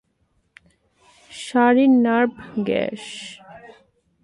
Siren nerve gas.